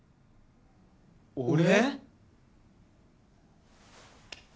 俺？